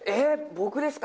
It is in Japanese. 僕ですか？